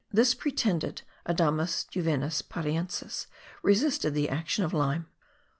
] This pretended adamas juvenis pariensis resisted the action of lime.